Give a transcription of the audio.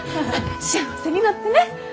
幸せになってね。